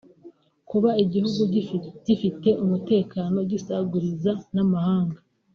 kuba igihugu gifite umutekano gisagurira n’amahanga